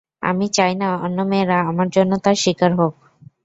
আমি চাই না অন্য মেয়েরা আমার জন্য তার শিকার হোক।